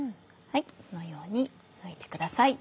このように抜いてください。